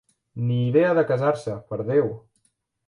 Ni idea de casar-se, per Déu!